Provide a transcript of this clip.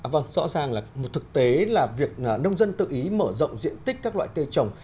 vâng rõ ràng là một thực tế là việc nông dân tự ý mở rộng diện tích các loại cây trồng